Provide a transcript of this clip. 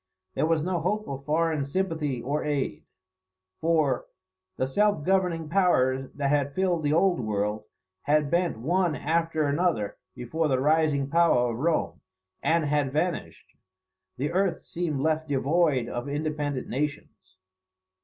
There was no hope of foreign sympathy or aid; for "the self governing powers that had filled the old world, had bent one after another before the rising power of Rome, and had vanished. The earth seemed left void of independent nations."